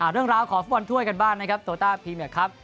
เรื่องราวของฟุตบอลถ้วยกันบ้างนะครับโตต้าพรีเมคครับ